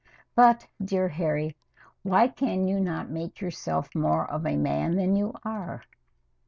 But, dear Harry, why can you not make yourself more of a man than you are?